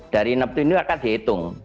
dari neptu ini akan dihitung